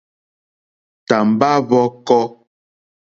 Tàmbá hwɔ̄kɔ̄.